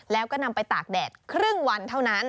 แล้วก็นำไปตากแดดครึ่งวันเท่านั้น